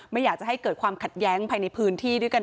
ไม่อยากจะให้เกิดความขัดแย้งภายในพื้นที่ด้วยกัน